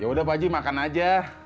ya udah pak ji makan aja